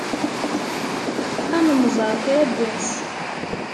Ad nemẓeṛ kra n wass.